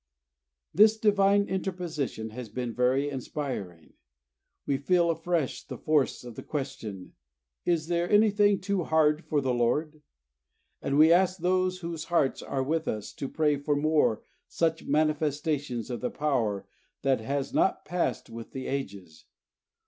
This Divine Interposition has been very inspiring. We feel afresh the force of the question: "Is anything too hard for the Lord?" And we ask those whose hearts are with us to pray for more such manifestations of the Power that has not passed with the ages.